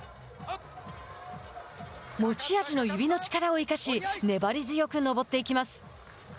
持ち味の指の力を生かし粘り強く登っていきます。